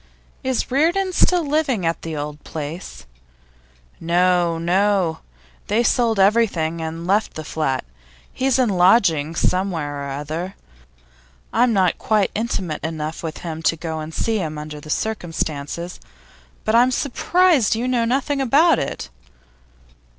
'Is Reardon still living at the old place?' 'No, no. They sold up everything and let the flat. He's in lodgings somewhere or other. I'm not quite intimate enough with him to go and see him under the circumstances. But I'm surprised you know nothing about it.